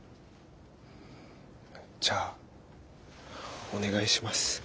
じゃあお願いします。